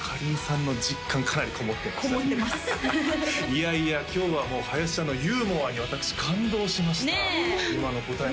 いやいや今日はもう林ちゃんのユーモアに私感動しましたねえ